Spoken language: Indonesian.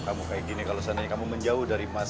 kamu kayak gini kalau seandainya kamu menjauh dari emas